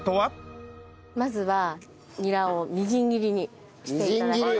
まずはニラをみじん切りにして頂きます。